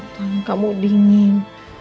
tunggu kamu dingin